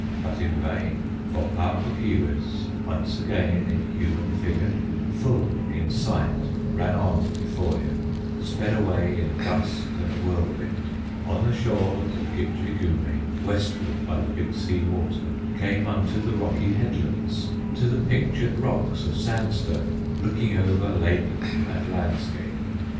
But in vain; for Pau Puk Keewis, Once again in human figure, Full in sight ran on before him, Sped away in gust and whirlwind, On the shores of Gitche Gumee, Westward by the Big Sea Water, Came unto the rocky headlands, To the Pictured Rocks of sandstone, Looking over lake and landscape.